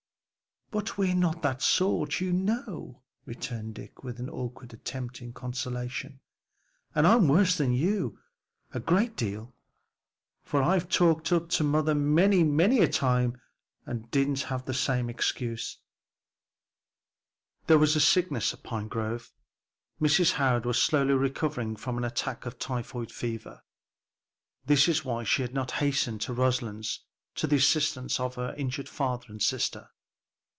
"But we're not that sort, you know," returned Dick with an awkward attempt at consolation, "and I'm worse than you, a great deal, for I've talked up to mother many a time and didn't have the same excuse." There was sickness at Pinegrove. Mrs. Howard was slowly recovering from an attack of typhoid fever. This was why she had not hastened to Roselands to the assistance of her injured father and sister.